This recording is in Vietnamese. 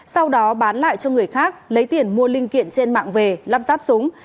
sau đó bán lại cho người khác lấy tiền mua linh kiện trên mạng về lắp ráp súng